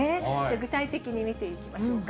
具体的に見ていきましょうか。